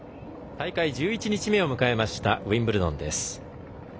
大会１１日目を迎えましたウィンブルドンです。